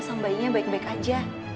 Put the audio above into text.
sama bayinya baik baik aja